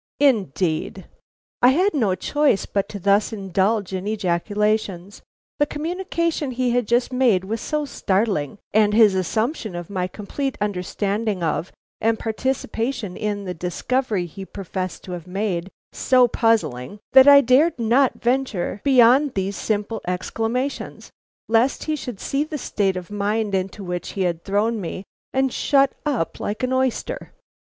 "Indeed!" I had no choice but to thus indulge in ejaculations. The communication he had just made was so startling, and his assumption of my complete understanding of and participation in the discovery he professed to have made, so puzzling, that I dared not venture beyond these simple exclamations, lest he should see the state of mind into which he had thrown me, and shut up like an oyster.